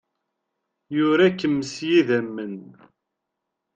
Yura-kem s yidammen.